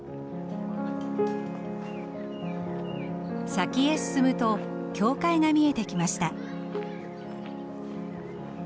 先へ進むと教会が見えてきました。